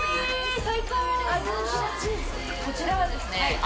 こちらはですね